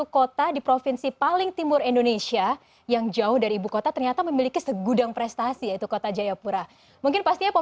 kota ada kampung dalam kota